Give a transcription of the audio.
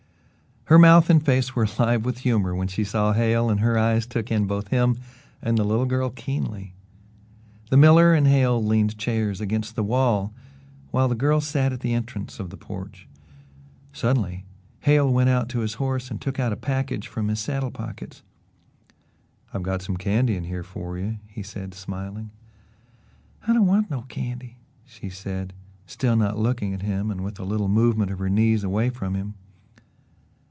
Her mouth and face were alive with humour when she saw Hale, and her eyes took in both him and the little girl keenly. The miller and Hale leaned chairs against the wall while the girl sat at the entrance of the porch. Suddenly Hale went out to his horse and took out a package from his saddle pockets. "I've got some candy in here for you," he said smiling. "I don't want no candy," she said, still not looking at him and with a little movement of her knees away from him.